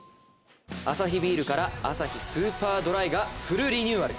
アサヒビールからアサヒスーパードライがフルリニューアル。